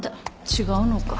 違うのか